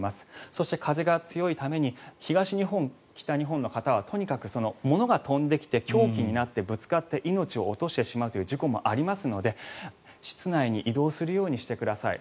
そして風が強いために東日本、北日本の方はとにかく物が飛んできて凶器になって、ぶつかって命を落としてしまうという事故もありますので室内に移動するようにしてください。